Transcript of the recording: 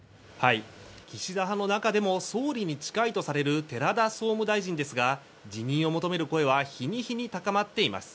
岸田派の中でも総理に近いとされる寺田総務大臣ですが辞任を求める声は日に日に高まっています。